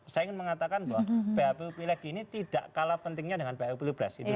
saya ingin mengatakan bahwa php pileg ini tidak kalah pentingnya dengan phpu pilpres